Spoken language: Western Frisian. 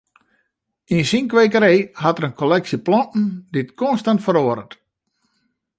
Yn syn kwekerij hat er in kolleksje planten dy't konstant feroaret.